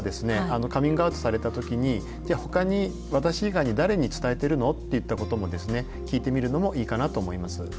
カミングアウトされた時に「じゃあほかに私以外に誰に伝えてるの？」っていったこともですね聞いてみるのもいいかなと思います。